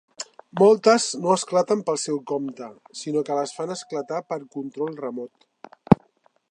Moltes no esclaten pel seu compte, sinó que les fan esclatar per control remot.